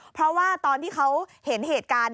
เพราะว่าตอนที่เขาเห็นเหตุการณ์